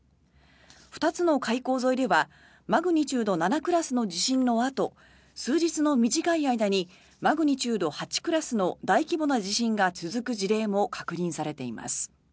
２つの海溝沿いではマグニチュード７クラスの地震のあと数日の短い間にマグニチュード８クラスの大規模な地震が続く事例も確認されています。